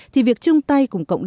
thì việc chung tay cùng cộng đồng